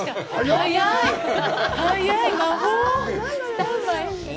早い！